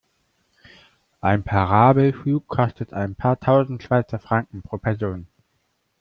Ein Parabelflug kostet ein paar tausend Schweizer Franken pro Person.